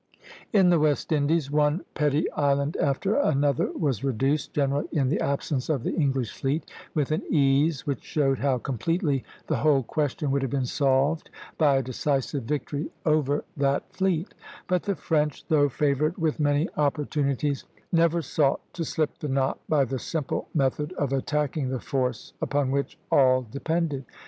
In the West Indies one petty island after another was reduced, generally in the absence of the English fleet, with an ease which showed how completely the whole question would have been solved by a decisive victory over that fleet; but the French, though favored with many opportunities, never sought to slip the knot by the simple method of attacking the force upon which all depended.